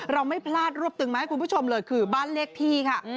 เราไม่พลาดรวบตึงมาให้คุณผู้ชมเลยคือบ้านเลขที่ค่ะ